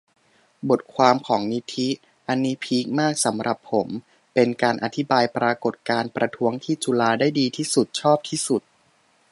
บทความของนิธิ อันนี้พีคมาก สำหรับผม เป็นการอธิบายปรากฎการณ์ประท้วงที่จุฬา ได้ดีที่สุด ชอบที่สุด